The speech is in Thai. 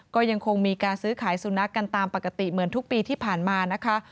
ก็ยังคงมีการซื้อขายสุนัขกันตามปกติเหมือนทุกปีที่ผ่านมานะคะ